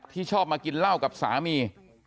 ชอบมากินเหล้ากับสามี